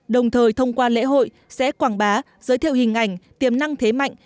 đồng thời thông qua lễ hội sẽ quảng bá giới thiệu hình ảnh tiềm năng thế mạnh